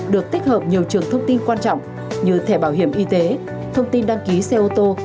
được tích hợp nhiều trường thông tin quan trọng như thẻ bảo hiểm y tế thông tin đăng ký xe ô tô